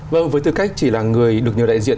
vâng với tư cách chỉ là người được nhiều đại diện